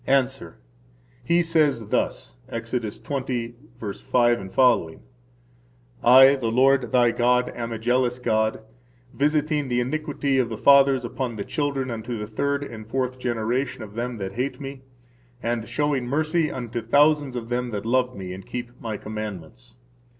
– Answer: He says thus (Exod. 20:5f): I the Lord, thy God, am a jealous God, visiting the iniquity of the fathers upon the children unto the third and fourth generation of them that hate Me, and showing mercy unto thousands of them that love Me and keep My commandments.